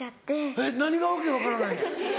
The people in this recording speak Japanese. えっ何が訳分からないねん？